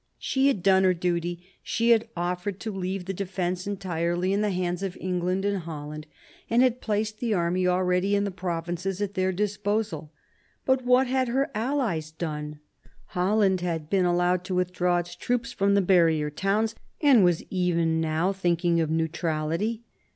She had done her duty. She had offered to leave the defence entirely in the hands of England and Holland, and had placed the army already in the provinces at their disposal. But what had her allies done ? Holland had been allowed to withdraw its troops from the barrier towns, and was even now thinking of neutrality.